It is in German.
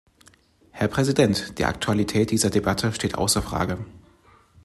Herr Präsident, die Aktualität dieser Debatte steht außer Frage.